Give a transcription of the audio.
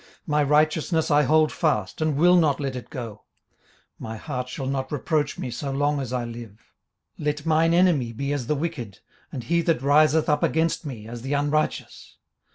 18:027:006 My righteousness I hold fast, and will not let it go: my heart shall not reproach me so long as I live. 18:027:007 Let mine enemy be as the wicked, and he that riseth up against me as the unrighteous.